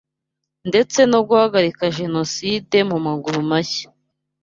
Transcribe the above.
ndetse no guhagarika Jenoside mu maguru mashya